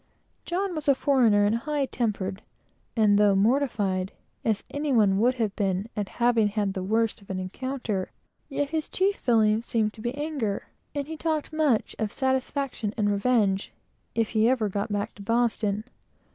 John was a foreigner and high tempered, and, though mortified, as any one would be at having had the worst of an encounter, yet his chief feeling seemed to be anger; and he talked much of satisfaction and revenge, if he ever got back to Boston.